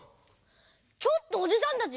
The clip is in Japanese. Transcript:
ちょっとおじさんたち